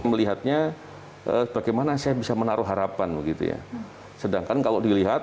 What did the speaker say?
melihatnya bagaimana saya bisa menaruh harapan sedangkan kalau dilihat